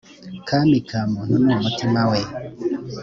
kami kamuntu numutimawe.